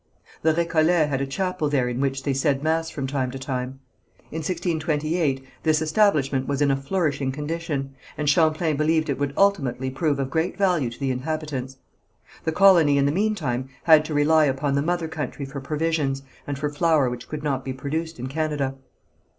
The Récollets had a chapel there in which they said mass from time to time. In 1628 this establishment was in a flourishing condition, and Champlain believed it would ultimately prove of great value to the inhabitants. The colony in the meantime had to rely upon the mother country for provisions, and for flour which could not be produced in Canada.